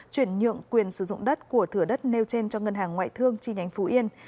chuyển nhượng quyền sử dụng đất của thửa đất nêu trên cho ngân hàng ngoại thương chi nhánh phú yên